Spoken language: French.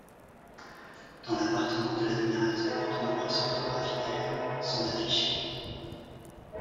Dans l'appartement de l'admirateur, de nombreuses photographies d'Erin sont affichées.